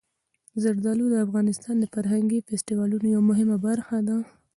زردالو د افغانستان د فرهنګي فستیوالونو یوه مهمه برخه ده.